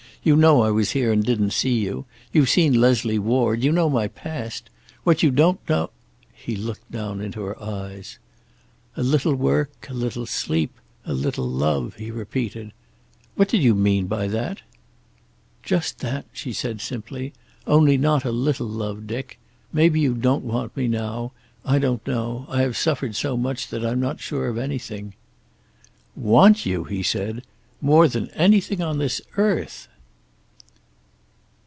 You know I was here and didn't see you. You've seen Leslie Ward. You know my past. What you don't know " He looked down into her eyes. "A little work, a little sleep, a little love," he repeated. "What did you mean by that?" "Just that," she said simply. "Only not a little love, Dick. Maybe you don't want me now. I don't know. I have suffered so much that I'm not sure of anything." "Want you!" he said. "More than anything on this earth."